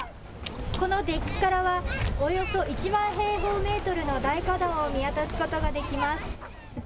このデッキからは１万平方メートルの大花壇を見渡すことができます。